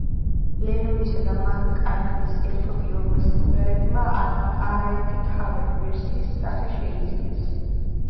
ლენონისა და მაკ-კარტნის ერთობლივმა სიმღერებმა არაერთი ქავერ-ვერსიის სახე შეიძინეს.